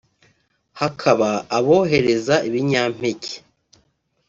hakaba abohereza ibinyampeke